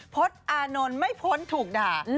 อานนท์ไม่พ้นถูกด่า